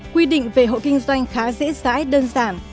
quy định về hộ kinh doanh khá dễ dãi đơn giản